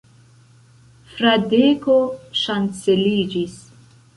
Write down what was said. Fradeko ŝanceliĝis.